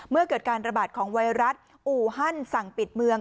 เกิดการระบาดของไวรัสอูฮันสั่งปิดเมือง